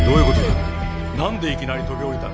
なんでいきなり飛び降りたんだ？